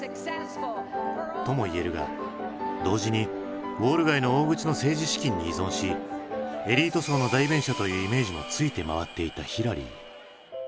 とも言えるが同時にウォール街の大口の政治資金に依存しエリート層の代弁者というイメージもついて回っていたヒラリー。